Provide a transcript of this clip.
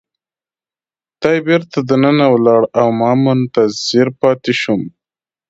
دی بیرته دننه ولاړ او ما منتظر پاتې شوم.